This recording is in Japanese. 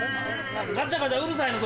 ガチャガチャうるさいな